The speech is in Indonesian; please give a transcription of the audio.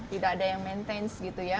tidak ada yang maintenance gitu ya